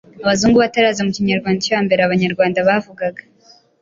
Abazungu bataraza, mu Kinyarwanda cyo hambere Abanyarwanda bavugaga,